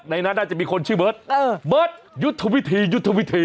ในนั้นน่าจะมีคนชื่อเบิร์ตเบิร์ตยุทธวิธียุทธวิธี